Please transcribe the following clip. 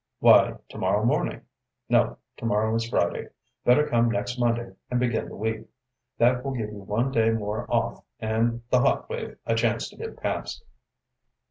"Why, to morrow morning; no, to morrow is Friday. Better come next Monday and begin the week. That will give you one day more off, and the hot wave a chance to get past."